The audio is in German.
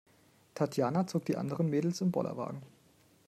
Tatjana zog die anderen Mädels im Bollerwagen.